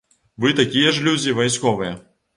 Вы такі ж людзі вайсковыя.